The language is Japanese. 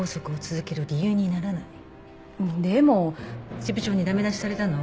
支部長に駄目出しされたの？